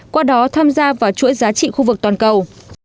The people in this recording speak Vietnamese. qua đó tham gia vào chuỗi giá trị khu vực toàn cầu